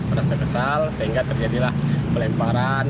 merasa kesal sehingga terjadilah pelemparan